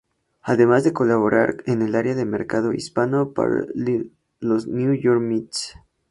Además de colaborar en el área de Mercadeo Hispano para los New York Mets.